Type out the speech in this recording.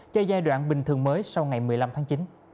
cho giai đoạn bình thường mới sau ngày một mươi năm tháng chín